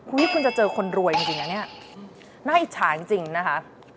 อุ๊ยคุณจะเจอคนรวยจริงน่าอิจฉาจริงนะคะ